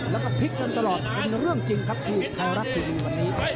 แล้วก็พลิกกันตลอดเป็นเรื่องจริงครับที่ไทยรัฐทีวีวันนี้